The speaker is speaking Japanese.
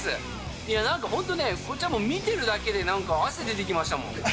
いやなんか、本当ね、こっちは見てるだけでなんか汗出てきましたもん。